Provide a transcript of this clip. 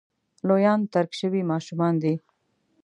لویان ترک شوي ماشومان دي.